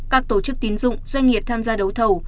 các tổ chức tín dụng doanh nghiệp tham gia đấu thầu